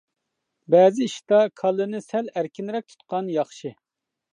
بەزى ئىشتا كاللىنى سەل ئەركىنرەك تۇتقان ياخشى.